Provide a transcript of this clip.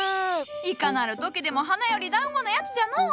いかなる時でも花より団子なやつじゃのお！